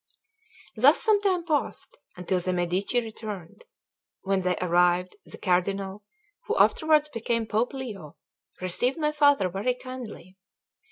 Thus some time passed, until the Medici returned. When they arrived, the Cardinal, who afterwards became Pope Leo, received my father very kindly.